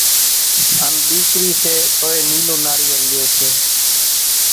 ان ۮيڪري سي توئي نيلون ناريل لئي سي،